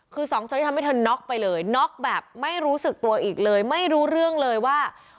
คือสองคนที่ทำให้เธอน็อกไปเลยน็อกแบบไม่รู้สึกตัวอีกเลยไม่รู้เรื่องเลยว่า